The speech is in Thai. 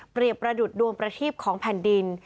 เปรียบประดุดดวงประทีปของแผ่นดิน